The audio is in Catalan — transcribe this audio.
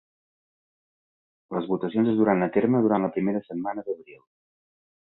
Les votacions es duran a terme durant la primera setmana d'abril.